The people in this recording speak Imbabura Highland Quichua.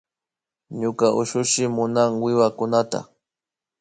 Ñuka ushushi munan wiwakunata